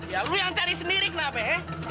ya lu yang cari sendiri kenapa ya